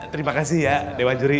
terima kasih ya dewan juri